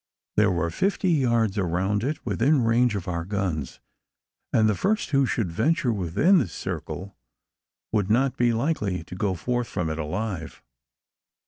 There were fifty yards around it within range of our guns; and the first who should venture within this circle would not be likely to go forth from it alive.